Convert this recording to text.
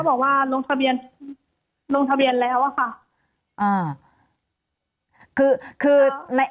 ก็บอกว่าลงทะเบียนแล้วค่ะ